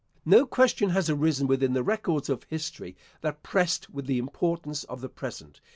No question has arisen within the records of history that pressed with the importance of the present.